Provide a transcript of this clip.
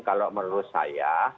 kalau menurut saya